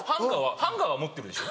ハンガーは持ってるでしょ？